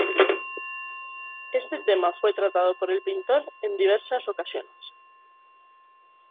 Este tema fue tratado por el pintor en diversas ocasiones.